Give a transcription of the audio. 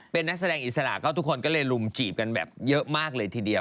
เป็นนักแสดงอิสระก็ทุกคนก็เลยลุมจีบกันแบบเยอะมากเลยทีเดียว